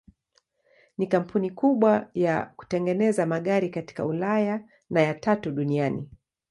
Ni kampuni kubwa ya kutengeneza magari katika Ulaya na ya tatu duniani.